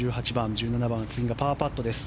１７番、次がパーパットです。